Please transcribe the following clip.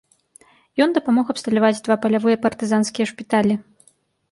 Ён дапамог абсталяваць два палявыя партызанскія шпіталі.